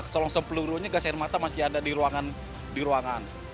seluruhnya gas air mata masih ada di ruangan